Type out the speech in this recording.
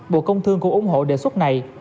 bộ công thương cũng ủng hộ đề xuất này